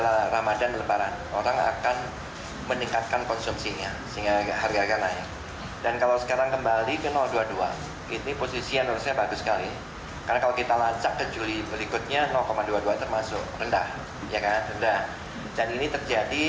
harga beras relatif terkenal